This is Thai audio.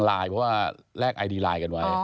เพราะว่าแลกไอดีไลน์กันไว้